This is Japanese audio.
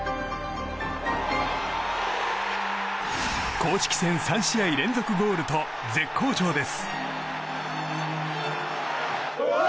公式戦３試合連続ゴールと絶好調です。